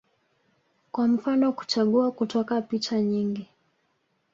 kwa mfano kuchagua kutoka picha nyingi